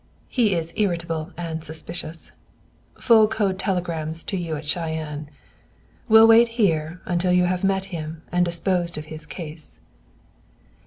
He is irritable and suspicious. Full code telegrams to you at Cheyenne. Will wait here until you have met him and disposed of his case."